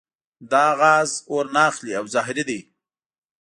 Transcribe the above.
دا غاز اور نه اخلي او زهري دی.